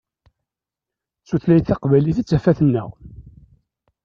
D tutlayt taqbaylit i d tafat-nneɣ.